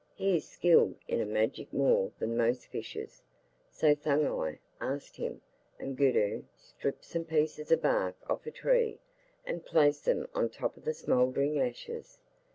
He is skilled in magic more than most fishes.' So Thuggai asked him, and Guddhu stripped some pieces of bark off a tree, and placed them on top of the smouldering ashes.